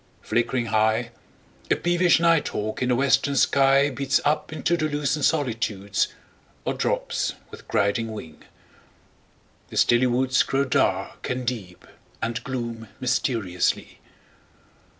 Flickering high,5A peevish night hawk in the western sky6Beats up into the lucent solitudes,7Or drops with griding wing. The stilly woods8Grow dark and deep, and gloom mysteriously.